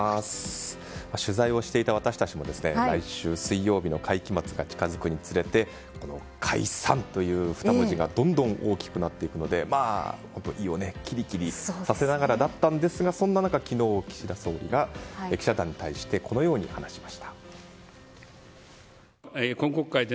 取材をしていた私たちも来週水曜日の会期末が近づくにつれて解散という２文字がどんどん大きくなっていくので胃をキリキリさせながらだったんですがそんな中、昨日岸田総理が記者団に対してこのように話しました。